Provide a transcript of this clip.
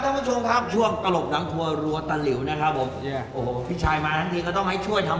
ท่านผู้ชมครับช่วงตลบหนังครัวรัวตะหลิวนะครับผมเนี่ยโอ้โหพี่ชายมาทั้งทีก็ต้องให้ช่วยทำ